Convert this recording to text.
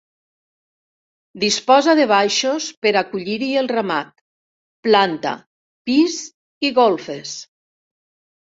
Disposa de baixos, per acollir-hi el ramat; planta, pis i golfes.